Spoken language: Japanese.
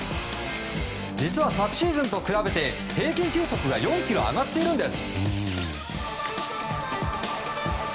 実は昨シーズンと比べて平均球速が４キロ上がっているんです。